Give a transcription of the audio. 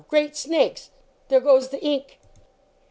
Great snakes ! There goes the ink